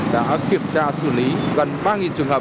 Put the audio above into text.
đã kiểm tra xử lý gần ba trường hợp